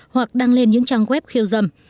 hoặc đăng lên những trang web khiêu dầm